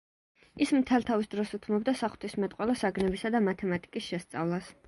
ის მთელ თავის დროს უთმობდა საღვთისმეტყველო საგნებისა და მათემატიკის შესწავლას.